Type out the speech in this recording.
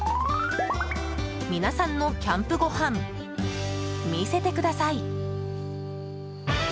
皆さんのキャンプご飯見せてください！